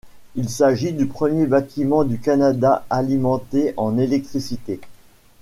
Il s'agit du premier bâtiment du Canada alimenté en électricité.